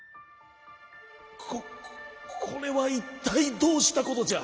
「ここれはいったいどうしたことじゃ！？